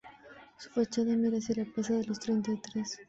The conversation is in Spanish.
Su fachada mira hacia la Plaza de los Treinta y Tres.